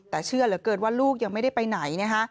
แต่เชื่อเหลือเกินว่าลูกยังไม่ได้ไปไหน